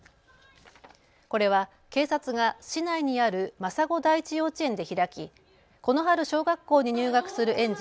これは警察が市内にある真砂第一幼稚園で開きこの春、小学校に入学する園児